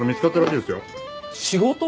仕事？